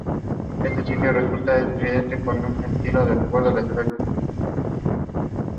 Su estilo resulta estridente, con un estilo que recuerda a la historieta.